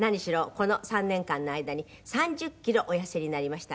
この３年間の間に３０キロお痩せになりました。